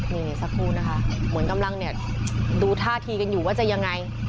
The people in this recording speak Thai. นี่สักครู่นะคะเหมือนกำลังเนี่ยดูท่าทีกันอยู่ว่าจะยังไง